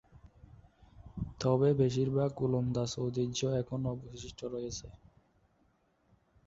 তবে বেশিরভাগ ওলন্দাজ ঐতিহ্য এখন অবশিষ্ট রয়েছে।